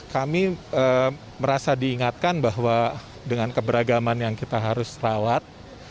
kami merasa diingatkan bahwa dengan keberagaman yang kita harus rawat